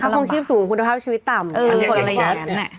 ค่าครองชีพสูงคุณภาพชีวิตต่ำอะไรอย่างนั้นเนี่ย